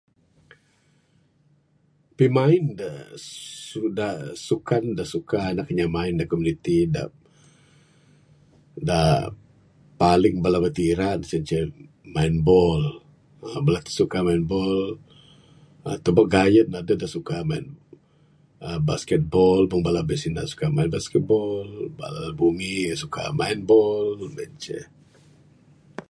Pimain dak sukan dak suka anak kinya main dak komuniti dak, dak paling bala ti ira sien ceh main ball bala ti suka main ball tebuk gayen adeh dak suka main aaa basketball mung bala bisina suka main basketball bala parabumi suka main ball mung seh ceh.